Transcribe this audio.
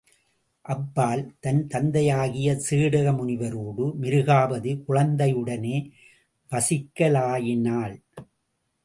அப்பால் தன் தந்தையாகிய சேடக முனிவரோடு மிருகாபதி குழந்தையுடனே வசிக்கலாயினாள்.